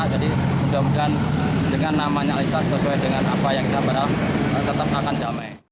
jadi mudah mudahan dengan namanya al islah sesuai dengan apa yang kita berah tetap akan damai